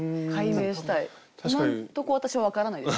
今んとこ私分からないです。